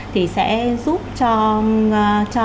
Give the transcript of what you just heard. thì sẽ giúp cho